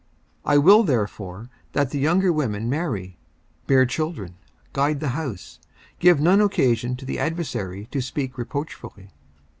54:005:014 I will therefore that the younger women marry, bear children, guide the house, give none occasion to the adversary to speak reproachfully.